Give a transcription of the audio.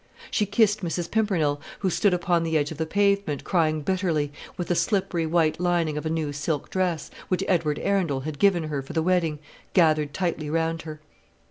She kissed Mrs. Pimpernel, who stood upon the edge of the pavement, crying bitterly, with the slippery white lining of a new silk dress, which Edward Arundel had given her for the wedding, gathered tightly round her.